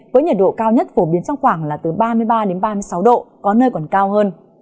với nhiệt độ cao nhất phổ biến trong khoảng là từ ba mươi ba đến ba mươi sáu độ có nơi còn cao hơn